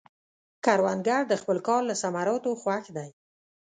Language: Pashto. کروندګر د خپل کار له ثمراتو خوښ دی